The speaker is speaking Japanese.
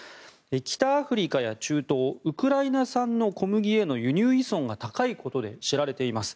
北アフリカや中東ウクライナ産の小麦への輸入依存が高いことで知られています。